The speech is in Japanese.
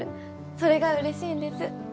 それがうれしいんです。